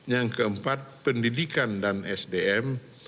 yang keempat pendidikan dan sdm